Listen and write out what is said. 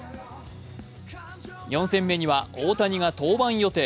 ４戦目には大谷が登板予定。